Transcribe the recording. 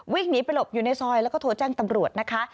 วิ่งหนีไปหลบอยู่ในซอยแล้วก็โทรแจ้งตำรวจนะคะ